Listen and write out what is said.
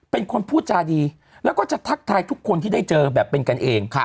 เป็นคนพูดจาดีแล้วก็จะทักทายทุกคนที่ได้เจอแบบเป็นกันเอง